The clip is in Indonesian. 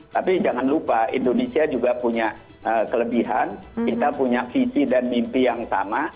tapi jangan lupa indonesia juga punya kelebihan kita punya visi dan mimpi yang sama